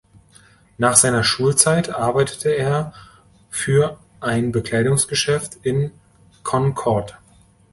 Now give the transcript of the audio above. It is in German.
Nach seiner Schulzeit arbeitete er für ein Bekleidungsgeschäft in Concord.